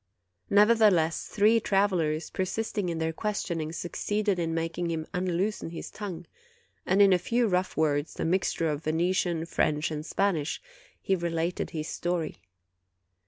Nevertheless, three travelers, per sisting in their questioning, succeeded in making him unloosen his tongue; and in a few rough words, a mixture of Venetian, French, and Spanish, he related his story.